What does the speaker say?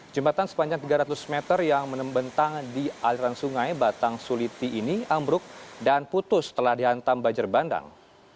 jembatan sepanjang tiga ratus meter yang menembentang di aliran sungai batang suliti ini ambruk dan putus setelah dihantam banjir bandang